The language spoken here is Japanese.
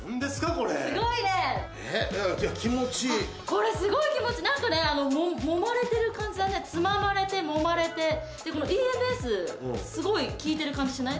これすごいね気持ちいいこれすごい気持ちいい何かねもまれてる感じだねつままれてもまれてでこのＥＭＳすごい効いてる感じしない？